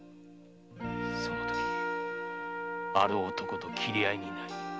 その時ある男と斬り合いになり。